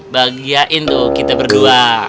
bahagiain tuh kita berdua